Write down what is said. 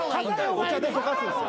お茶でとかすんすよ。